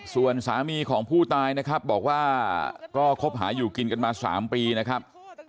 ส่วนสามีของผู้ตายนะครับบอกว่าก็คบหาอยู่กินกันมา๓ปีนะครับ